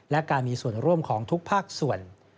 และการมีส่วนร่วมของทุกภาคส่วน